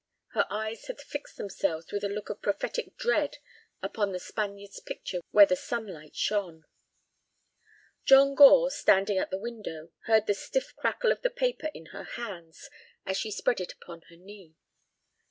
Her eyes had fixed themselves with a look of prophetic dread upon the Spaniard's picture where the sunlight shone. John Gore, standing at the window, heard the stiff crackle of the paper in her hands as she spread it upon her knee.